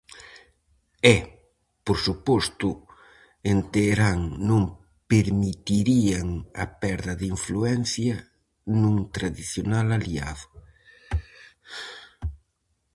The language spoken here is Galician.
E, por suposto, en Teherán non permitirían a perda de influencia nun tradicional aliado.